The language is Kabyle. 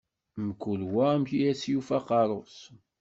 Mkul wa amek I as-yufa aqeṛṛu-s.